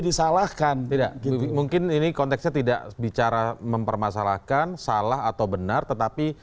disalahkan tidak mungkin ini konteksnya tidak bicara mempermasalahkan salah atau benar tetapi